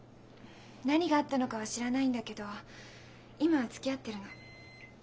何があったのかは知らないんだけど今はつきあってるの。